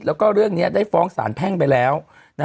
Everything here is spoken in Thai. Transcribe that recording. แล้วก็เรื่องนี้ได้ฟ้องสารแพ่งไปแล้ว